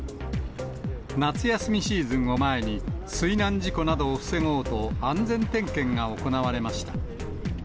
夏休みシーズンを前に、水難事故などを防ごうと、安全点検が行われました。